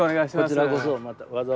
こちらこそ。